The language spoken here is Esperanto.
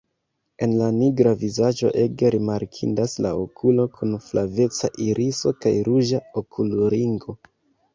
En la nigra vizaĝo ege rimarkindas la okulo kun flaveca iriso kaj ruĝa okulringo.